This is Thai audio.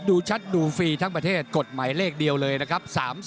ดูชัดดูฟรีทั้งประเทศกฎหมายเลขเดียวเลยนะครับ